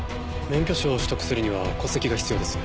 免許証を取得するには戸籍が必要です。